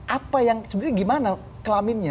apa yang sebenarnya gimana kelaminnya